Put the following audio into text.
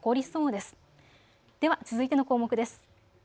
では続いての項目です。